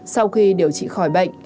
sau khi điều trị khỏi bệnh